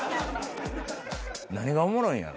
何がおもろいんやろ？